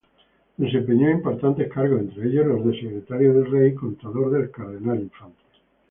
Desempeñó importantes cargos, entre ellos los de secretario del rey y contador del cardenal-infante.